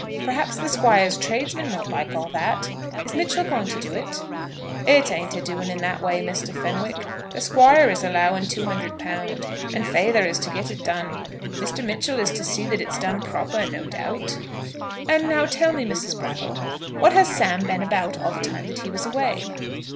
"Perhaps the Squire's tradesmen won't like all that. Is Mitchell going to do it?" "It ain't a doing in that way, Mr. Fenwick. The Squire is allowing £200, and feyther is to get it done. Mister Mitchell is to see that it's done proper, no doubt." "And now tell me, Mrs. Brattle, what has Sam been about all the time that he was away?"